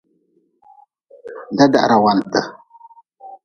Dadahrawanti.